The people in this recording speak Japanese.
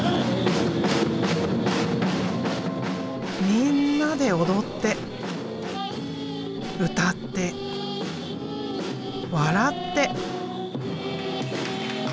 みんなで踊って歌って笑って！